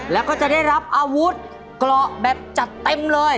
แล้วก็จะได้รับอาวุธเกราะแบบจัดเต็มเลย